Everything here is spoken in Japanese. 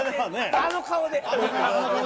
あの顔で。